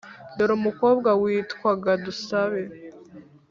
dore umukobwa witwaga dusabe